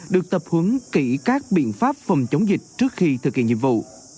được tập huấn kỹ các biện pháp phòng chống dịch trước khi thực hiện nhiệm vụ